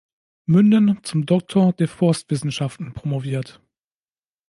Münden zum Doktor der Forstwissenschaften promoviert.